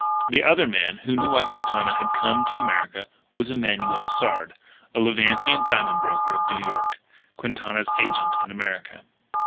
The other man who knew why Quintana had come to America was Emanuel Sard, a Levantine diamond broker of New York, Quintana's agent in America.